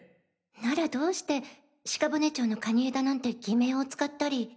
ならどうして鹿骨町の蟹江田なんて偽名を使ったり。